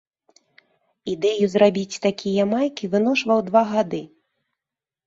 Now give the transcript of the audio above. Ідэю зрабіць такія майкі выношваў два гады.